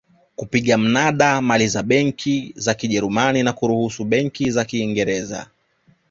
kupiga mnada mali za benki za Kijerumani na kuruhusu benki za Kiingereza